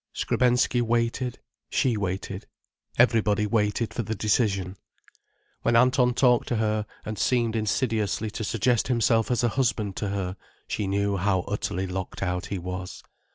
Skrebensky waited, she waited, everybody waited for the decision. When Anton talked to her, and seemed insidiously to suggest himself as a husband to her, she knew how utterly locked out he was.